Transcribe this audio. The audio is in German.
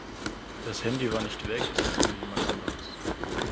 Das Handy war nicht weg, es hatte nur jemand anderes.